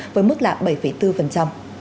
với mức lạng bảy bốn